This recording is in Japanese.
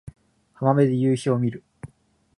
浜辺で夕陽を見る